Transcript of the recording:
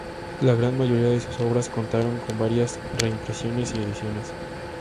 La gran mayoría de sus obras contaron con varias reimpresiones y ediciones.